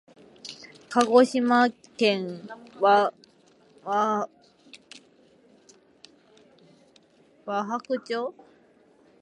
鹿児島県和泊町